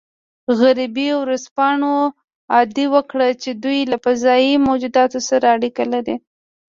غربي ورځپاڼو ادعا وکړه چې دوی له فضايي موجوداتو سره اړیکه لري